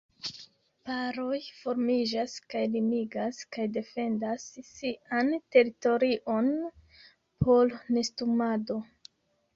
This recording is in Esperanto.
Paroj formiĝas kaj limigas kaj defendas sian teritorion por nestumado.